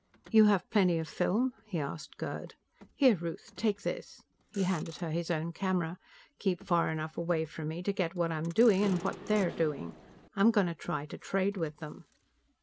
"You have plenty of film?" he asked Gerd. "Here, Ruth; take this." He handed her his own camera. "Keep far enough away from me to get what I'm doing and what they're doing. I'm going to try to trade with them."